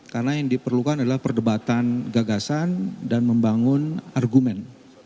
karena yang diperlukan adalah perdebatan gagasan dan membangun argumen